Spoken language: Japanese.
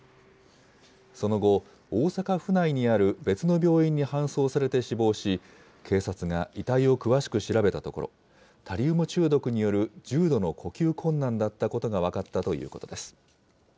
その後、大阪府内にある別の病院に搬送されて死亡し、警察が遺体を詳しく調べたところ、タリウム中毒による重度の呼吸困難だったことが分かったということです。